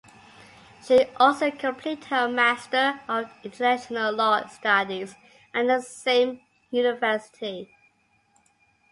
She also completed her Master of International Law studies at the same university.